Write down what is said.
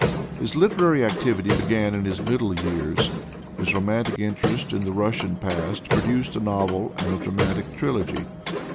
His literary activity began in his middle years. His romantic interest in the Russian past produced a novel and a dramatic trilogy.